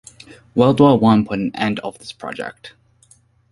World War One put an end of this project.